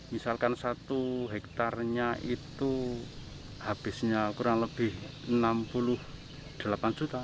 misalkan satu hektarnya itu habisnya kurang lebih enam puluh delapan juta